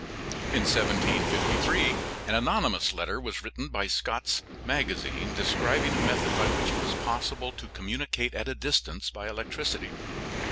In 1753 an anonymous letter was written to Scott's Magazine describing a method by which it was possible to communicate at a distance by electricity.